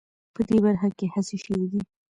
په دې برخه کې هڅې شوې دي